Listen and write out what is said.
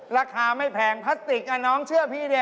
ราคาไม่แพงพลาสติกน้องเชื่อพี่ดิ